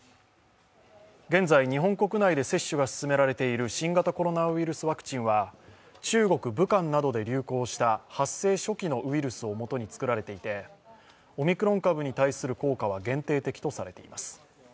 現在、日本国内で接種が進められている新型コロナウイルスワクチンは中国・武漢などで流行した発生初期のウイルスをもとに作られていてオミクロン株に対する効果は限定的とされています。